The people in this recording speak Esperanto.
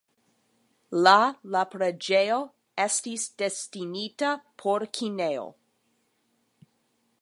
La la preĝejo estis destinita por kinejo.